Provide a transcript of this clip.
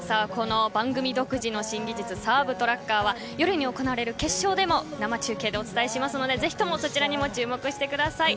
番組独自の新技術、サーブトラッカーは夜に行われる決勝でも生中継でお伝えするのでそちらにも注目してください。